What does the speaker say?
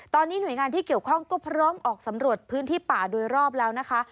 ตอนนี้หน่วยงานที่เกี่ยวข้องก็พร้อมออกสำรวจพื้นที่ป่าโดยรอบแล้วนะคะ